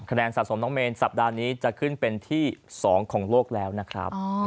แนนสะสมน้องเมนสัปดาห์นี้จะขึ้นเป็นที่๒ของโลกแล้วนะครับ